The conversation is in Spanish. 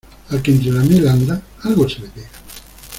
Al que entre la miel anda, algo se le pega.